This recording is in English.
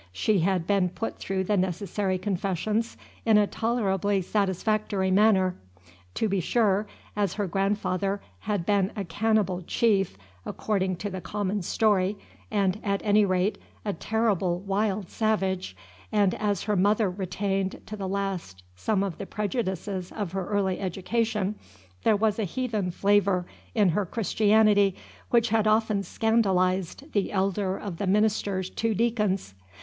She had been put through the necessary confessions in a tolerably satisfactory manner. To be sure, as her grandfather had been a cannibal chief, according to the common story, and, at any rate, a terrible wild savage, and as her mother retained to the last some of the prejudices of her early education, there was a heathen flavor in her Christianity which had often scandalized the elder of the minister's two deacons.